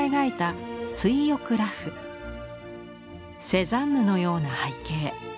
セザンヌのような背景。